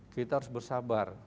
kita harus bersabar